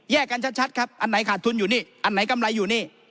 กันชัดครับอันไหนขาดทุนอยู่นี่อันไหนกำไรอยู่นี่